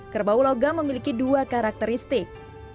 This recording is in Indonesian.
kerbau logam memiliki dua karakteristik